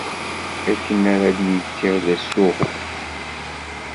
Akken ara d-yekker d asuɣu.